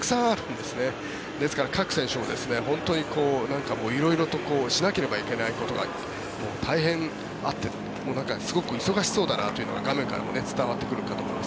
ですから、各選手も本当に色々としなければいけないことが大変あってすごく忙しそうだなというのが画面からも伝わってくるかと思います。